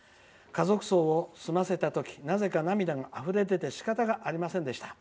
家族葬を済ませた時なぜか涙があふれ出てしかたがありませんでした。